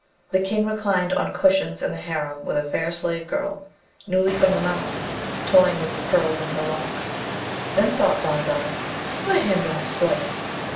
The King reclined on cushions in the harem with a fair slave girl, newly from the mountains, toying with the pearls in her locks. Then thought Bhanavar, 'Let him not slight me!'